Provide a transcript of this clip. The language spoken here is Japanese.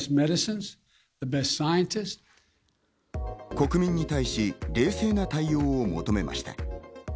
国民に対し、冷静な対応を求めました。